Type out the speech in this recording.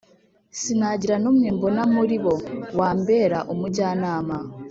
sinagira n’umwe mbona muri bo, wambera umujyanama!